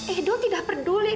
edo tidak peduli